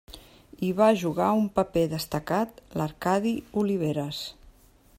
Hi va jugar un paper destacat l'Arcadi Oliveres.